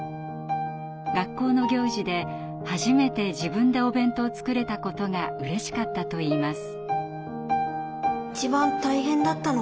学校の行事で初めて自分でお弁当を作れたことがうれしかったといいます。